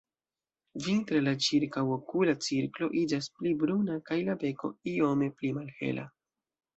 Vintre la ĉirkaŭokula cirklo iĝas pli bruna kaj la beko iome pli malhela.